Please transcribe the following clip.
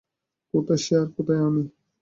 কোথায় সে আর কোথায় আমি।